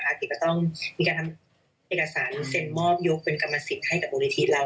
จะต้องมีการทำเอกสารเซ็นมอบยกเป็นกรรมสิทธิ์ให้กับมูลนิธิเรา